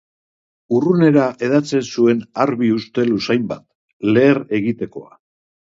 Urrunera hedatzen zuen arbi ustel usain bat, leher egitekoa.